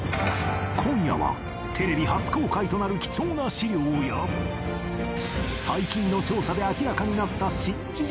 今夜はテレビ初公開となる貴重な史料や最近の調査で明らかになった新事実が続々！